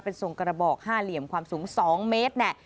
เป็นส่งกระบอก๕เหลี่ยมความสูง๒เมตร